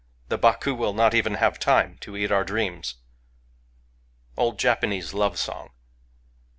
The Bako will not even have time to eat our dreams! "— Old Japanese Love song.